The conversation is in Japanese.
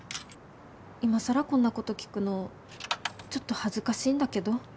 今更こんなこと聞くのちょっと恥ずかしいんだけど。